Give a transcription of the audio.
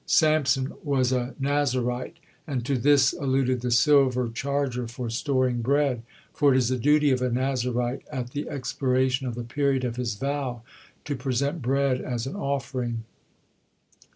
Samson was a Nazirite, and to this alluded the silver charger for storing bread, for it is the duty of a Nazirite, at the expiration of the period of his vow, to present bread as an offering.